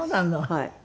はい。